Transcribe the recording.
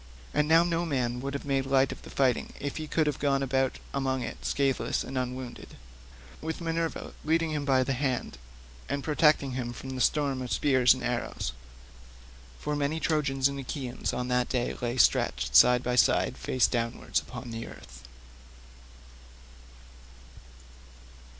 And now no man would have made light of the fighting if he could have gone about among it scatheless and unwounded, with Minerva leading him by the hand, and protecting him from the storm of spears and arrows. For many Trojans and Achaeans on that day lay stretched side by side face downwards upon the earth.